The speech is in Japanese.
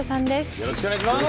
よろしくお願いします。